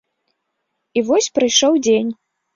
І вось прыйшоў дзень.